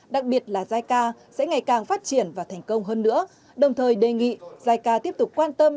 đặc biệt là giai ca sẽ ngày càng phát triển và thành công hơn nữa đồng thời đề nghị giai ca tiếp tục quan tâm